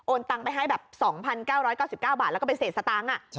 ตังไปให้แบบ๒๙๙๙บาทแล้วก็ไปเศษสตังค์